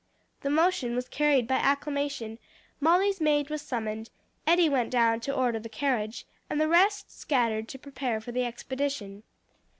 The motion was carried by acclamation, Molly's maid was summoned, Eddie went down to order the carriage, and the rest scattered to prepare for the expedition.